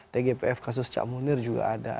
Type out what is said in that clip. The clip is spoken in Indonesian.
tgpf kasus cak munir juga ada